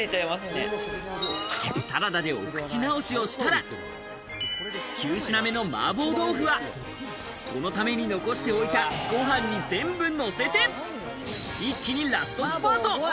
サラダでお口直しをしたら９品目の麻婆豆腐はこのために残しておいたご飯に全部のせて一気にラストスパート。